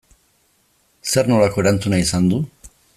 Zer nolako erantzuna izan du?